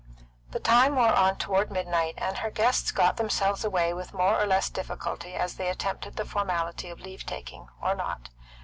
The time wore on toward midnight, and her guests got themselves away with more or less difficulty as they attempted the formality of leave taking or not.